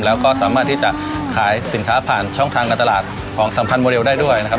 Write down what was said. แล้วก็สามารถที่จะขายสินค้าผ่านช่องทางการตลาดของสัมพันธ์โมเรลได้ด้วยนะครับ